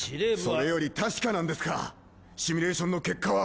それより確かなんですかシミュレーションの結果は。